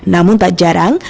namun tak jarang